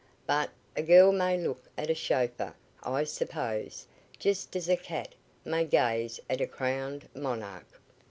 But a girl may look at a chauffeur, I suppose, just as a cat may gaze at a crowned monarch."